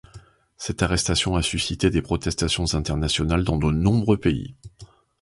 Cette arrestation a suscité des protestations internationales dans de nombreux pays.